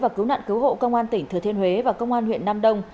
và cứu nạn cứu hộ công an tỉnh thừa thiên huế và công an huyện nam đông